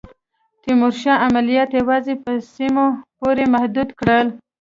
تیمورشاه عملیات یوازي په سیمو پوري محدود کړل.